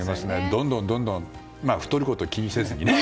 どんどん太ることを気にせずに。